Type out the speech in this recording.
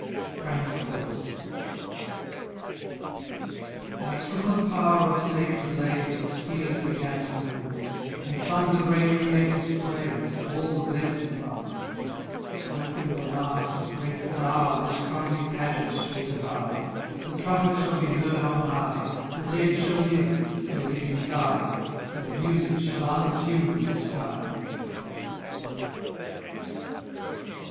GRAND CHORUS. As from the power of sacred lays The spheres began to move, And sung the great Creator's praise To all the blessed above; So when the last and dreadful hour This crumbling pageant shall devour, The trumpet shall be heard on high, The dead shall live, the living die, And Music shall untune the sky.